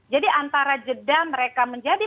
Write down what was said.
jadi antara jeda mereka menjadi